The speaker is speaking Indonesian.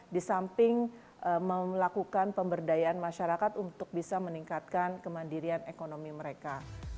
di samping melakukan pemberdayaan masyarakat untuk bisa meningkatkan kemandirian ekonomi mereka